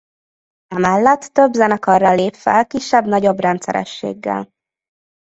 Emellett több zenekarral lép fel kisebb-nagyobb rendszerességgel.